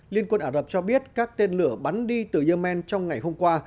liên quân ả rập cho biết các tên lửa bắn đi từ yemen trong ngày hôm qua